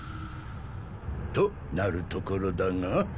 となるところだが。